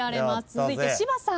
続いて芝さん。